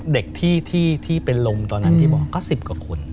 เด็กที่เป็นโรงตอนนั้นก็๑๐กว่าคุณ